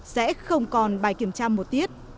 sẽ không còn bài kiểm tra một tiết